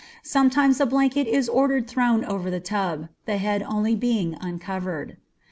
Sometimes a blanket is ordered thrown over the tub, the head only being uncovered.